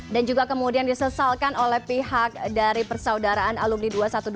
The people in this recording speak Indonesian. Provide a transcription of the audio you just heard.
dan juga kemudian disesalkan oleh pihak dari persaudaraan alumni dua ratus dua belas